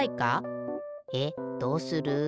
えっどうする？